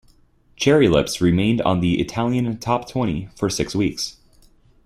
"Cherry Lips" remained on the Italian top twenty for six weeks.